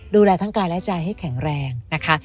ดูแลทั้งกายและใจให้แข็งแรงนะคะ